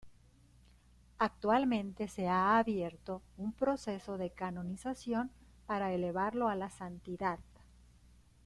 Actualmente se ha abierto un proceso de canonización para elevarlo a la santidad.